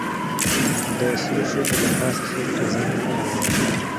د سرو شونډو له پاسه سور پېزوان مه یادوه.